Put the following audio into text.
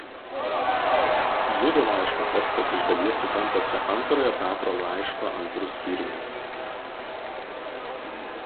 Judo laiško tekstas iš dalies sutampa su Antrojo Petro laiško antru skyriumi.